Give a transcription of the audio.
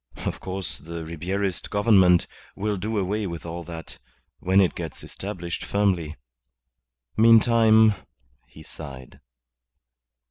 Of course the Ribierist Government will do away with all that when it gets established firmly. Meantime " He sighed.